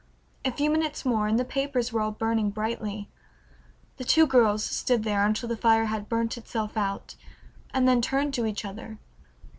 A few minutes more and the papers were all burning brightly. The two girls stood there until the fire had burnt itself out, and then turned to each other.